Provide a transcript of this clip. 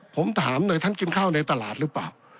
ผมถามเลยท่านกินข้าวในตลาดหรือเปล่า